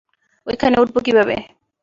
ঐখানে উঠব কীভাবে?